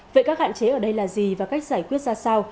vậy các hạn chế ở đây là gì và cách giải quyết ra sao